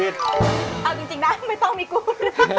เอาจริงนะไม่ต้องมีกลุ่ม